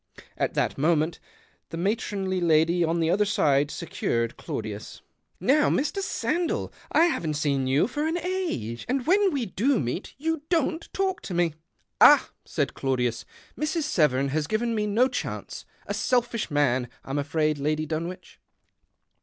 At that moment the matronly lady on the other side secured Claudius. THE OCTAVE OF CLAUDIUS. 169 " Now, Mr. Sanclell, I haven't seen you for an ige, and when we do meet you don't talk to me." "Ah!" said Claudius, "Mr. Severn has ^iven me no chance. A selfish man, I'm ifraid, Lady Dunwich."